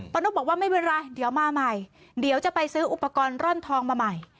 นกบอกว่าไม่เป็นไรเดี๋ยวมาใหม่เดี๋ยวจะไปซื้ออุปกรณ์ร่อนทองมาใหม่